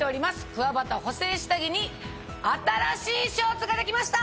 くわばた補整下着に新しいショーツができました！